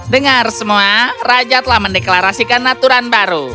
dengar semua raja telah mendeklarasikan aturan baru